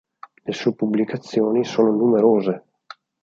Le sue pubblicazioni sono numerose.